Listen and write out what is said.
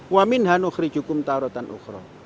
wa min hanu khrijukum ta rotan ukhro